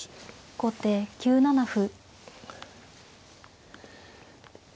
後手９七歩。